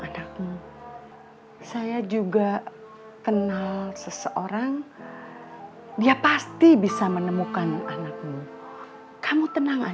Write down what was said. sampai jumpa di video selanjutnya